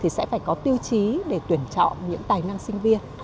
sẽ phải có tiêu chí để tuyển chọn những tài năng sinh viên